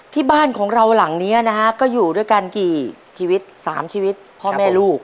ที่บ้านของเราหลังนี้นะฮะก็อยู่ด้วยกันกี่ชีวิต๓ชีวิตพ่อแม่ลูก